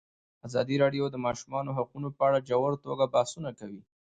ازادي راډیو د د ماشومانو حقونه په اړه په ژوره توګه بحثونه کړي.